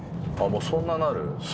もうそんななる？